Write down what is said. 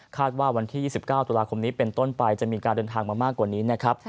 ว่าวันที่๒๙ตุลาคมนี้เป็นต้นไปจะมีการเดินทางมามากกว่านี้นะครับ